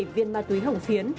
ba mươi bảy viên ma túy hỏng phiến